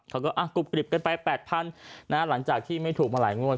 เขาก็กรุบกริบกันไป๘๐๐หลังจากที่ไม่ถูกมาหลายงวด